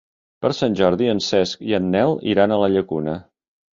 Per Sant Jordi en Cesc i en Nel iran a la Llacuna.